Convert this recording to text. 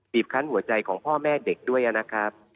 บคั้นหัวใจของพ่อแม่เด็กด้วยนะครับ